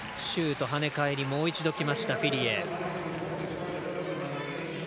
シュート、跳ね返りもう一度きましたフィリエ。